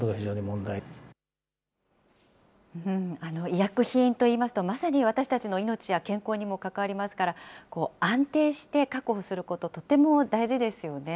医薬品といいますと、まさに私たちの命や健康にも関わりますから、安定して確保すること、とても大事ですよね。